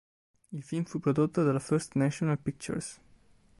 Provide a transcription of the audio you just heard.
Il film fu prodotto dalla First National Pictures.